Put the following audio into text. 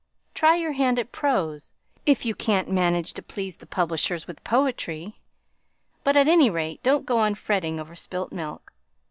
Try your hand at prose, if you can't manage to please the publishers with poetry; but, at any rate, don't go on fretting over spilt milk.